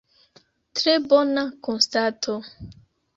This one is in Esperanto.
Tre bona konstato.